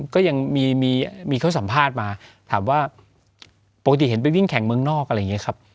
ก็ยังมีเขาสัมภาษณ์มาถามว่าปกติเห็นไปวิ่งแข่งเมืองนอกอะไรอย่างนี้ครับ